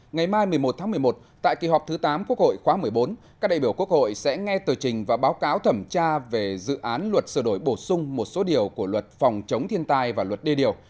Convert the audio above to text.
ngày mai một mươi một tháng một mươi một tại kỳ họp thứ tám quốc hội khóa một mươi bốn các đại biểu quốc hội sẽ nghe tờ trình và báo cáo thẩm tra về dự án luật sửa đổi bổ sung một số điều của luật phòng chống thiên tai và luật đê điều